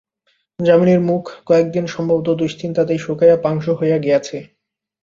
যামিনীর মুখ কয়েকদিনে সম্ভবত দুশ্চিন্তাতেই শুকাইয়া পাংশু হইয়া গিয়াছে।